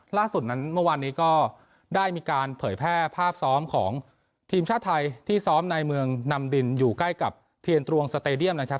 ล่าสุดนั้นเมื่อวานนี้ก็ได้มีการเผยแพร่ภาพซ้อมของทีมชาติไทยที่ซ้อมในเมืองนำดินอยู่ใกล้กับเทียนตรวงสเตดียมนะครับ